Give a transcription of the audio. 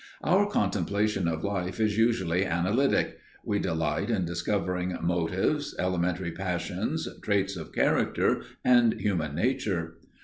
Our contemplation of life is usually analytic; we delight in discovering motives, elementary passions, traits of character and human nature.